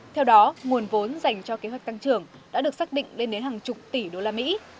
theo đó nguồn vốn dành cho kế hoạch tăng trưởng đã được xác định lên đến hàng chục tỷ đô la mỹ